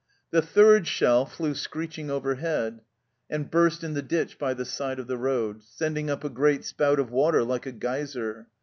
The third shell flew screeching over head, and burst in the ditch by the side of the road, sending up a great spout of water like a geyser.